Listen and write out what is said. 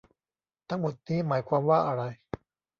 ทั้งหมดนี้หมายความว่าอะไร